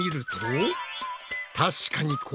確かにね。